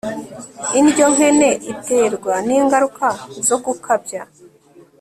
indyo nkene iterwa n'ingaruka zo gukabya